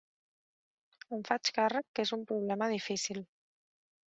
Em faig càrrec que és un problema difícil.